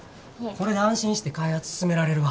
これで安心して開発進められるわ。